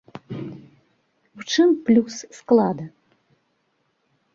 У чым плюс склада?